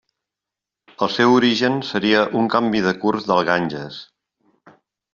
El seu origen seria un canvi de curs del Ganges.